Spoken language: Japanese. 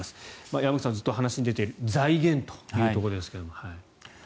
山口さん、ずっと話に出ている財源というところですが。